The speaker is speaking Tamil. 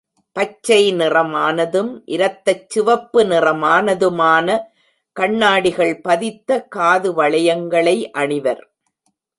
பச்சை நிறமானதும், இரத்தச் சிவப்பு நிறமானதுமான கண்ணாடிகள் பதித்த காது வளையங்களை அணிவர்.